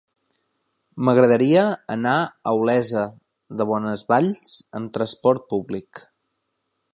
M'agradaria anar a Olesa de Bonesvalls amb trasport públic.